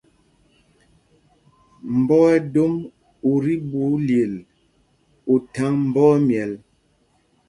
Mbɔ ɛdom ú tí ɓu lyel ú thaŋ mbɔ ɛmyɛl.